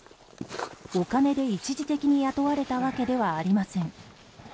お金で一時的に雇われたわけではありません。